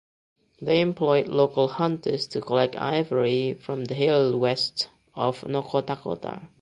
They employed local hunters to collect ivory from the hills west of Nkhotakota.